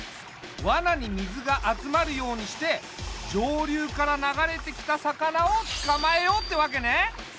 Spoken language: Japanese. わなに水が集まるようにして上流から流れてきた魚をつかまえようってわけね。